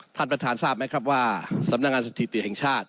ท่านประธานทราบไหมครับว่าสำนักงานสถิติแห่งชาติ